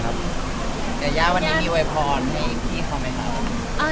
เจหญ้าวันนี้มีโพยพรให้พี่เค้ามั้ยครับ